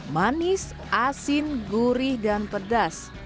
manis asin gurih dan pedas